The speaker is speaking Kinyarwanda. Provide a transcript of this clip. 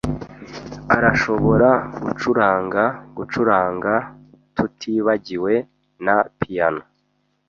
Arashobora gucuranga gucuranga, tutibagiwe na piyano.